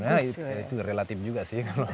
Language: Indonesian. nah itu relatif juga sih